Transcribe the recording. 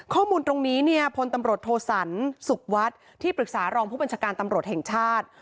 ข้อมูลตรงนี้เนี่ยพลตำรวจโทสันสุขวัฒน์ที่ปรึกษารองผู้บัญชาการตำรวจแห่งชาติ